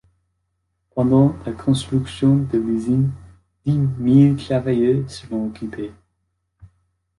Pendant la construction de l'usine, dix mille travailleurs seront occupés.